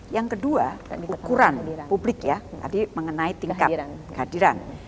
yang kedua teguran publik ya tadi mengenai tingkat kehadiran